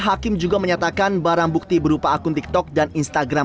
hakim juga menyatakan barang bukti berupa akun tiktok dan instagram